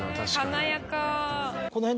華やか。